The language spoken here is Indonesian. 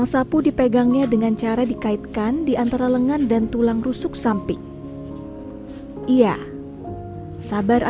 dia menemukan seorang laki laki yang berubah kembali